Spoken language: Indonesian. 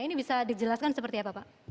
ini bisa dijelaskan seperti apa pak